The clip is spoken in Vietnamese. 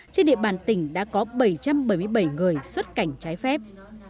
trên địa bàn tỉnh đã có bảy trăm bảy mươi bảy người xuất cảnh trái phép